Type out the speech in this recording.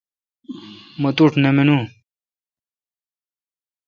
مہ توٹھ نہ مانوں